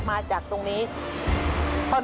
มีชีวิตที่สุดในประโยชน์